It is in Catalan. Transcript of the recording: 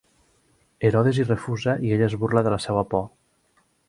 Herodes hi refusa, i ella es burla de la seua por.